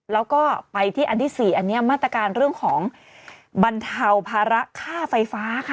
แล้วก็ไปที่อันที่๔อันนี้มาตรการเรื่องของบรรเทาภาระค่าไฟฟ้าค่ะ